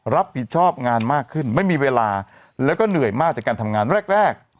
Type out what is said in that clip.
รับผิดชอบงานมากขึ้นไม่มีเวลาแล้วก็เหนื่อยมากจากการทำงานแรกแรก